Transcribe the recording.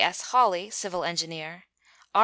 S. Holly, civil engineer; R.